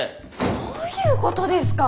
どういうことですか？